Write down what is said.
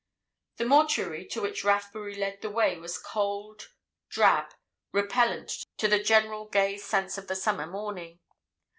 The mortuary to which Rathbury led the way was cold, drab, repellent to the general gay sense of the summer morning.